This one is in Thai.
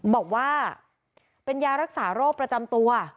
บอกว่าเป็นยารักษาโรคประจำตัว